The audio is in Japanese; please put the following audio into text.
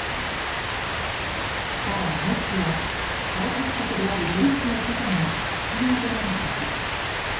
ただネックは、開発国であるドイツの許可が必要であること。